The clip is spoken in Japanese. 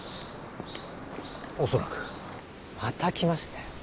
おそらくまた来ましたよ